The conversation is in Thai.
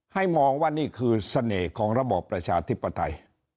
มองว่านี่คือเสน่ห์ของระบอบประชาธิปไตย